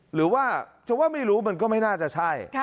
หรือว่าจะว่าไม่รู้มันก็ไม่น่าจะใช่